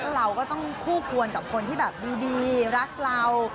เราก็ต้องคู่กวนกับคนที่แบบดีรักเรา